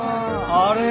あれ？